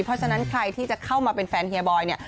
เพราะฉะนั้นใครที่จะเข้ามาเป็นแฟนเฮียบอยเนี่ย